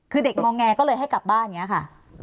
คือเด็กงองแงก็เลยให้กลับบ้านเนี่ยค่ะ